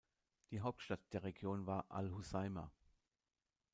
Die Hauptstadt der Region war Al Hoceïma.